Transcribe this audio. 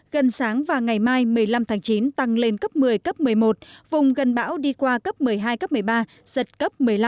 gần sáng và ngày mai một mươi năm tháng chín tăng lên cấp một mươi cấp một mươi một vùng gần bão đi qua cấp một mươi hai cấp một mươi ba giật cấp một mươi năm